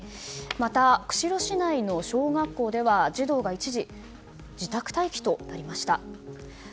また釧路市内の小学校では児童が一時自宅待機となりました。